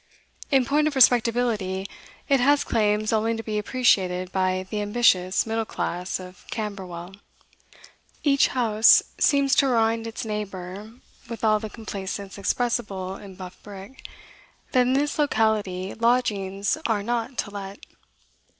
In point of respectability, it has claims only to be appreciated by the ambitious middle class of Camberwell. Each house seems to remind its neighbour, with all the complacence expressible in buff brick, that in this locality lodgings are not to let.